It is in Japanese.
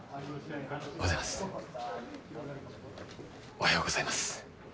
おはようございます。